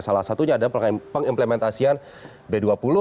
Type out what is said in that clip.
salah satunya adalah pengimplementasian b dua puluh